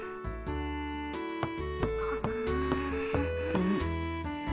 うん？